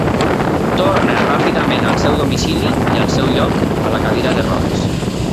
Torna ràpidament al seu domicili i al seu lloc a la cadira de rodes.